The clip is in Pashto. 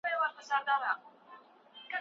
موټر چلونکي د موټر ښيښې د باد لپاره کښته کړې وې.